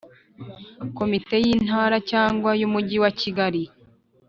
Komite y Intara cyangwa y Umujyi wakigali